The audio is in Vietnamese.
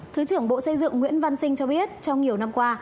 thứ trưởng bộ xây dựng nguyễn văn sinh cho biết trong nhiều năm qua